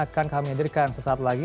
akan kami hadirkan sesaat lagi